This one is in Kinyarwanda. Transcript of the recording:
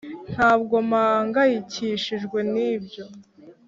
ntabwo mpangayikishijwe nibyo